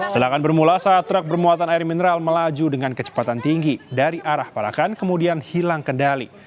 celakan bermula saat truk bermuatan air mineral melaju dengan kecepatan tinggi dari arah parakan kemudian hilang kendali